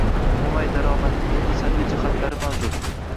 – mo‘may daromadning o‘ta salbiy jihatlari mavjud: